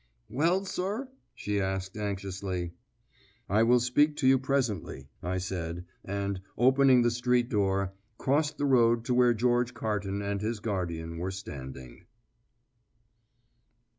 "Well, sir?" she asked anxiously. "I will speak to you presently," I said, and, opening the street door, crossed the road to where George Carton and his guardian were standing.